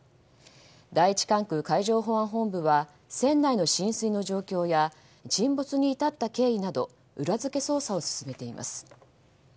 第１管区海上保安本部は船内の浸水の状況や沈没に至った経緯など裏付け捜査を進めています。